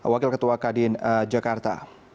wakil ketua kadin jakarta